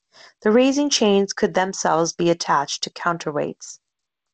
The raising chains could themselves be attached to counterweights.